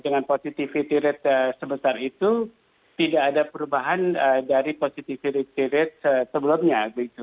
dengan positivity rate sebesar itu tidak ada perubahan dari positivity rate sebelumnya